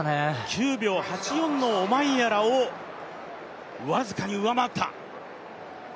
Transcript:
９秒８４のオマンヤラを僅かに上回った。